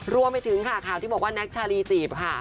รวมไปถึงค่ะข่าวที่บอกว่าแน็กชาลีจีบค่ะ